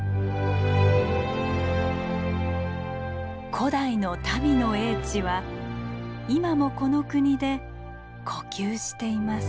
古代の民の英知は今もこの国で呼吸しています。